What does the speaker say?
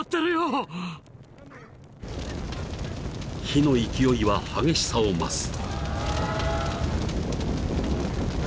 ［火の勢いは激しさを増す］